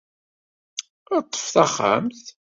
Ṭṭef taxxamt.